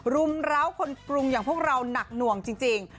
รุมร้าวคนกรุงอย่างพวกเราหนักหน่วงจริง